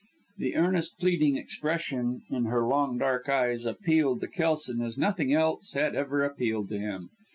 The earnest, pleading expression in her long, dark eyes appealed to Kelson as nothing else had ever appealed to him.